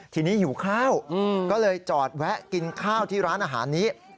ทีนี้หิวข้าวก็เลยจอดแวะกินข้าวที่ร้านอาหารนี้